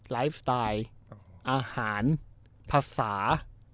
ไลฟ์สไตล์อาหารภาษา